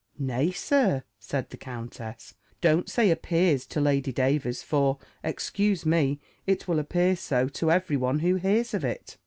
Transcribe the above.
"Nay, Sir," said the countess, "don't say appears to Lady Davers; for (excuse me) it will appear so to every one who hears of it."